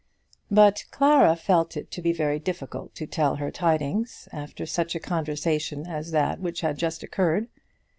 But Clara felt it to be very difficult to tell her tidings after such a conversation as that which had just occurred.